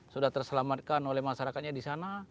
sudah terselamatkan oleh masyarakatnya di sana